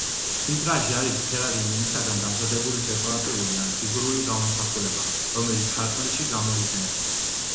ვიტრაჟი არის ფერადი მინისგან დამზადებული დეკორატიული ან ფიგურული გამოსახულება, რომელიც სარკმელში გამოიყენება.